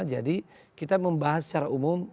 jadi kita membahas secara umum